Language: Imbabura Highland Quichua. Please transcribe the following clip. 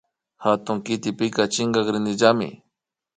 Hatun kitipika chinkarinillami